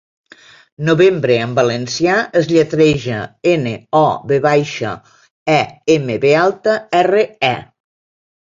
'Novembre', en valencià es lletreja: ene, o, ve baixa, e, eme, be alta, erre, e.